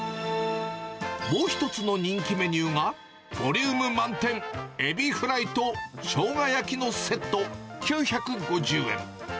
もう一つの人気メニューが、ボリューム満点、エビフライとしょうが焼きのセット９５０円。